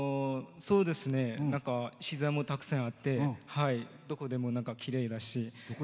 自然もたくさんあってどこでもきれいだし。